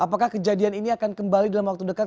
apakah kejadian ini akan kembali dalam waktu dekat